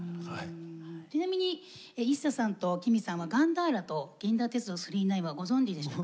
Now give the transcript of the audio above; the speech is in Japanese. ちなみにＩＳＳＡさんとＫＩＭＩさんは「ガンダーラ」と「銀河鉄道９９９」はご存じでしょうか？